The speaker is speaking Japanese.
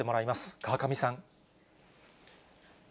川上さん。